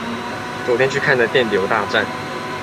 昨天去看了電流大戰